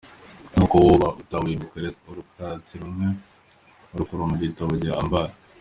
"Ni nkuko woba utabuye urukaratasi rumwe urukura mu gitabo gihambaye.